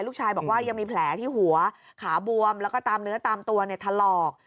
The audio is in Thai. ลูกชายบอกว่ายังมีแผลที่หัวขาบวมแล้วก็ตามเนื้อตามตัวถลอก